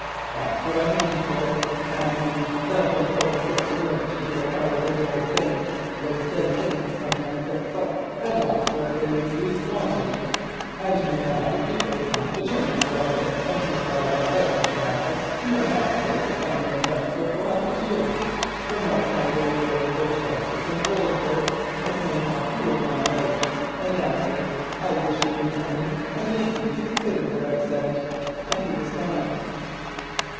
That's what I means, sir, and I means that when folk set to work to do a hard and wicked thing those dead things sometimes gits up and walks where they is least wanting; and mayhap if you goes on for to turn the old Squire and Miss Ida out of the Castle, mayhap, sir, summut of that sort will happen to you, for mark my word, sir, there's justice in the world, sir, as mebbe you will find out. And now, sir, begging your pardon, I'll wish you good morning, and leave you to think on what I've said," and he was gone.